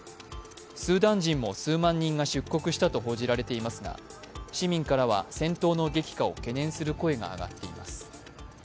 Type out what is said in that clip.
スーダン人も数万人が出国したと報じられていますが市民からは、戦闘の激化を懸念する声が上がっています。